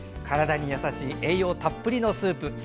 体に優しい栄養たっぷりのスープ。